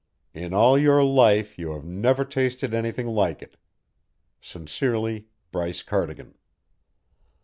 In all your life you have never tasted anything like it. Sincerely, BRYCE CARDIGAN.